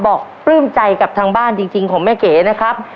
ปลื้มใจกับทางบ้านจริงของแม่เก๋นะครับ